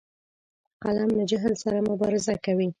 قلم له جهل سره مبارزه کوي